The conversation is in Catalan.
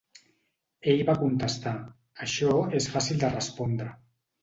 Ell va contestar: això es fàcil de respondre.